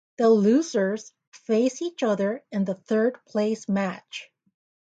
The losers face each other in the third place match.